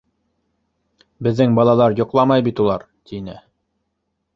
Беҙҙең балалар йоҡламай бит улар, — тине.